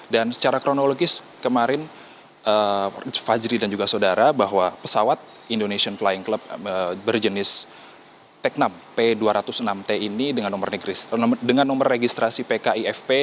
dan secara kronologis kemarin fajri dan juga saudara bahwa pesawat indonesian flying club berjenis teknam p dua ratus enam t ini dengan nomor registrasi pkifp